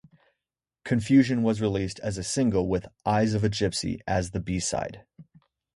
"Confusion" was released as a single with "Eyes of a Gypsy" as the B-side.